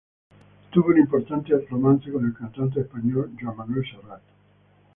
Tuvo un importante romance con el cantante español Joan Manuel Serrat.